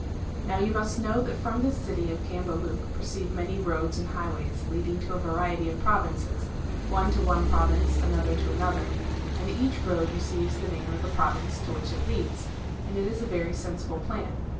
Now you must know that from this city of Cambaluc proceed many roads and highways leading to a variety of provinces, one to one province,' another to another; and each road receives the name of the province to which it leads ; and it is a very sensible plan.